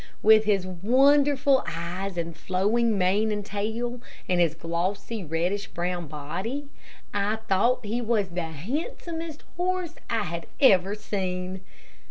With his wonderful eyes and flowing mane and tail, and his glossy, reddish brown body, I thought that he was the handsomest horse I had ever seen.